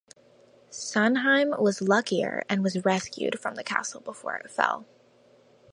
Senhime was luckier and was rescued from the castle before it fell.